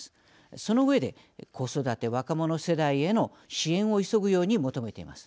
その上で子育て若者世代への支援を急ぐように求めています。